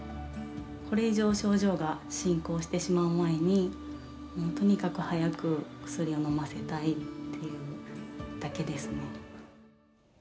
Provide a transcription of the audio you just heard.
これ以上、症状が進行してしまう前に、とにかく早く薬を飲ませたいっていうだけですね。